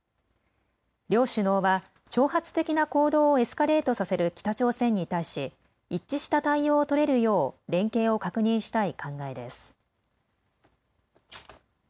両首脳は挑発的な行動をエスカレートさせる北朝鮮に対し一致した対応を取れるよう連携を確認したい考えです。